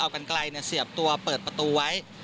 กันไกลเสียบตัวเปิดประตูไว้